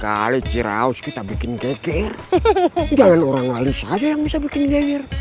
kali ciraus kita bikin geger jangan orang lalu saja yang bisa bikin geyer